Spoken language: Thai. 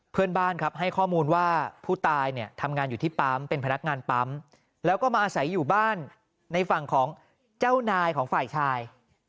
เพื่อนบ้านครับให้ข้อมูลว่าผู้ตายเนี่ยทำงานอยู่ที่ปั๊มเป็นพนักงานปั๊มแล้วก็มาอาศัยอยู่บ้านในฝั่งของเจ้านายของฝ่ายชาย